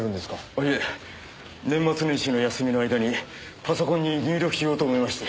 いえ年末年始の休みの間にパソコンに入力しようと思いまして。